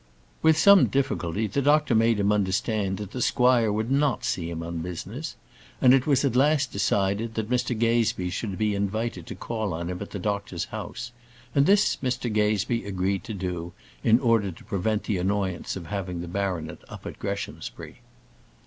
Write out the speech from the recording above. With some difficulty, the doctor made him understand that the squire would not see him on business; and it was at last decided, that Mr Gazebee should be invited to call on him at the doctor's house; and this Mr Gazebee agreed to do, in order to prevent the annoyance of having the baronet up at Greshamsbury.